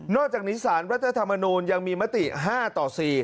อกจากนี้สารรัฐธรรมนูลยังมีมติ๕ต่อ๔